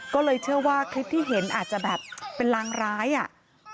ก็เลยเชื่อว่าคลิปที่เห็นอาจจะแบบเป็นรางร้ายอ่ะ